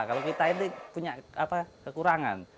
kalau kita itu punya apa kekurangan